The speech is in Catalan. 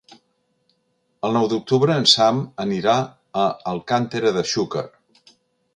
El nou d'octubre en Sam anirà a Alcàntera de Xúquer.